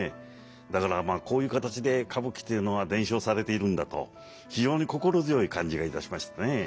だからまあこういう形で歌舞伎というのは伝承されているんだと非常に心強い感じがいたしましたね。